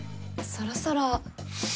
「そろそろ」？